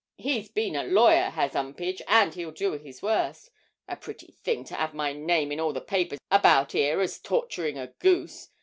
He's been a lawyer, has 'Umpage, and he'll do his worst. A pretty thing to 'ave my name in all the papers about 'ere as torturing a goose!